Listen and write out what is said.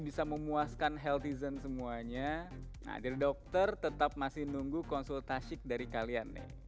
bisa memuaskan healthyzen semuanya hadir dokter tetap masih nunggu konsultasi dari kalian nih